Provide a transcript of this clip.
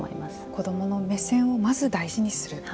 子どもの目線をまず大事にすると。